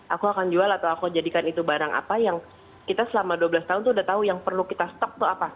aku akan jual atau aku jadikan itu barang apa yang kita selama dua belas tahun itu udah tahu yang perlu kita stok tuh apa